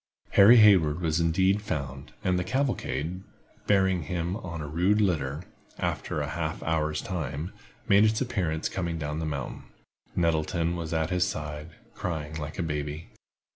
Harry Hayward was indeed found, and the cavalcade, bearing him on a rude litter, after a half hour's time, made its appearance coming down the mountain. Nettleton was at his side, crying like a baby.